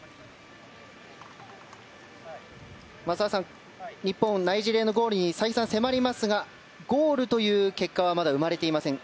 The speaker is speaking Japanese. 澤さん、日本はナイジェリアのゴールに再三迫りますがゴールという結果はまだ生まれていません。